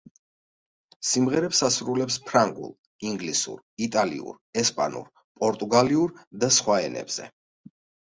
სიმღერებს ასრულებს ფრანგულ, ინგლისურ, იტალიურ, ესპანურ, პორტუგალიურ და სხვა ენებზე.